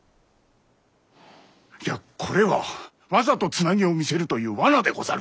いやこれはわざとつなぎを見せるという罠でござる。